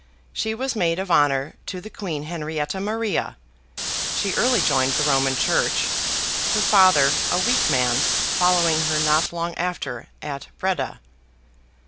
She was maid of honor to the Queen Henrietta Maria; she early joined the Roman Church; her father, a weak man, following her not long after at Breda.